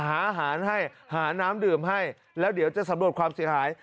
หาอาหารให้หาน้ำดื่มให้แล้วเดี๋ยวจะสำรวจความเสียหาย